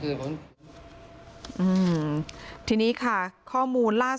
แต่ยอมรับว่าลูกสาวเขาหายตัวไป